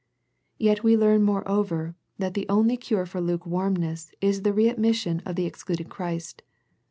Yet we learn, moreover, that the only cure for lukewarmness is the re admission of the excluded Christ.